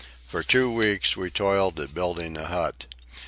For two weeks we toiled at building a hut.